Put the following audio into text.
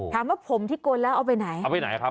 ถามว่าผมที่โกนแล้วเอาไปไหน